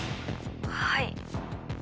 はい。